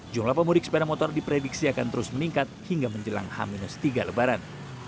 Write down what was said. jumlah pemudik sepeda motor diprediksi akan terus meningkat hingga menjelang h tiga lebaran